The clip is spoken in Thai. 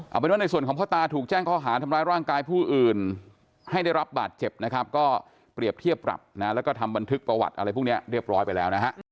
เอาเป็นว่าในส่วนของพ่อตาถูกแจ้งข้อหาทำร้ายร่างกายผู้อื่นให้ได้รับบาดเจ็บนะครับก็เปรียบเทียบปรับนะแล้วก็ทำบันทึกประวัติอะไรพวกนี้เรียบร้อยไปแล้วนะฮะ